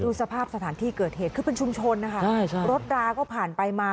สภาพสถานที่เกิดเหตุคือเป็นชุมชนนะคะรถราก็ผ่านไปมา